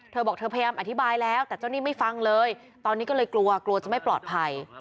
เธอบอกเธอพยายามอธิบายแล้วแต่เจ้าหนี้ไม่ฟังเลยตอนนี้ก็เลยกลัวกลัวจะไม่ปลอดภัย